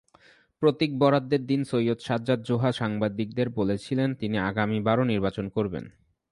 প্রতীক বরাদ্দের দিন সৈয়দ সাজ্জাদ জোহা সাংবাদিকদের বলেছিলেন, তিনি আগামীবারও নির্বাচন করবেন।